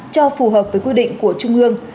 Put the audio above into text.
cho phù hợp với quy định của trung ương